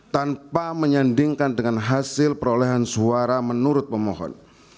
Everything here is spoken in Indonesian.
tanpa menyandingkan dengan hasil perolehan suara menurut pemohon